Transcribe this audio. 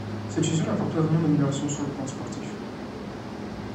Cette fusion n'apporte pas vraiment d'amélioration sur le plan sportif.